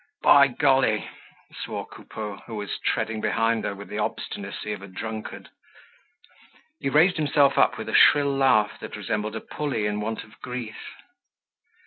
"By golly!" swore Coupeau, who was treading behind her with the obstinacy of a drunkard. He raised himself up with a shrill laugh that resembled a pulley in want of grease.